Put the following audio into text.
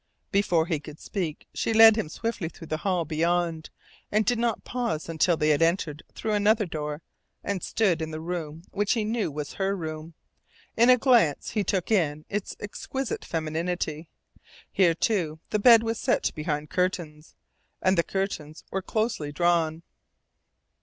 Before he could speak she led him swiftly through the hall beyond, and did not pause until they had entered through another door and stood in the room which he knew was her room. In a glance he took in its exquisite femininity. Here, too, the bed was set behind curtains, and the curtains were closely drawn.